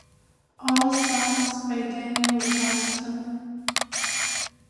All songs by Daniel Johnston.